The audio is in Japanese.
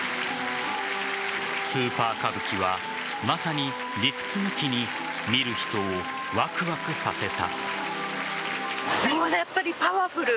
スーパー歌舞伎はまさに理屈抜きに見る人をワクワクさせた。